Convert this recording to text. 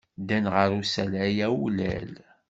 Ddan ɣer usalay awlal.